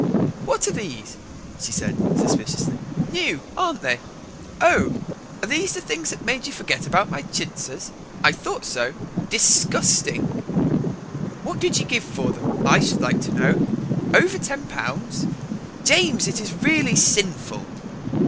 "What are these?" she said suspiciously. "New, aren't they? Oh! are these the things that made you forget my chintzes? I thought so. Disgusting. What did you give for them, I should like to know? Over Ten Pounds? James, it is really sinful.